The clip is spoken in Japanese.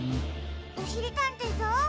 おしりたんていさん？